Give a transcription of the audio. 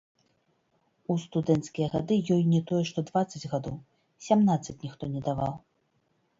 У студэнцкія гады ёй не тое што дваццаць гадоў - семнаццаць ніхто не даваў.